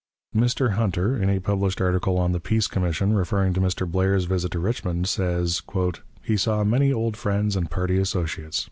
Mr. Hunter, in a published article on the peace commission, referring to Mr. Blair's visit to Richmond, says: "He saw many old friends and party associates.